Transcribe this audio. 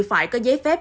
phải có giấy phép